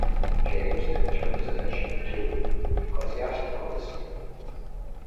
James then turned his attention to ecclesiastical discipline.